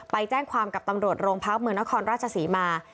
ไปแจ้งความกับตำรวจโรงพักเมืองนครราชศรีมา